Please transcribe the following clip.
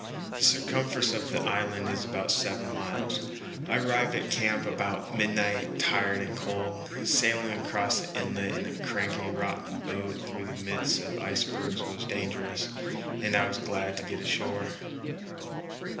The circumference of the island is about seven miles. I arrived at camp about midnight, tired and cold. Sailing across the inlet in a cranky rotten boat through the midst of icebergs was dangerous, and I was glad to get ashore.